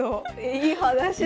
いい話だ。